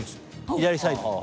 左サイドに。